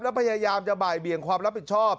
แล้วพยายามจะบ่ายเบี่ยงความรับผิดชอบ